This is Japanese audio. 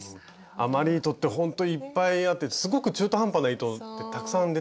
余り糸ってほんといっぱいあってすごく中途半端な糸ってたくさん出てくるんですよね。